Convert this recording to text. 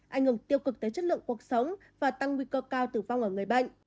ảnh hưởng tiêu cực tới chất lượng cuộc sống và tăng nguy cơ cao tử vong ở người bệnh